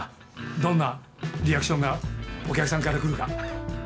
どんなリアクションがお客さんからくるか。